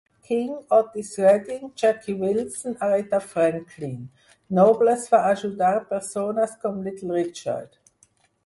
King, Otis Redding, Jackie Wilson, Aretha Franklin; Nobles va ajudar persones com Little Richard.